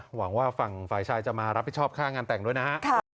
หวังว่าฝั่งฝ่ายชายจะมารับผิดชอบค่างานแต่งด้วยนะฮะ